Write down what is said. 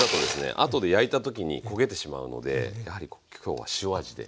あとで焼いた時に焦げてしまうのでやはり今日は塩味で。